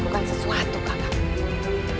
pecahkan balikudara recordings